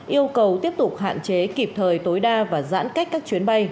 yêu cầu tiếp tục hạn chế kịp thời tối đa và giãn cách các chuyến bay